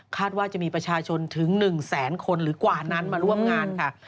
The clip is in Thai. ว่าจะมีประชาชนถึง๑แสนคนหรือกว่านั้นมาร่วมงานค่ะ